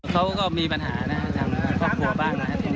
เขาก็มีปัญหาทำครอบครัวบ้าง